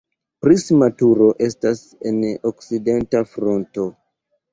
Prisma turo estas en okcidenta fronto.